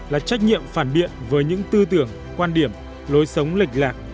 là trách nhiệm phản biện với những tư tưởng quan điểm lối sống lệch lạc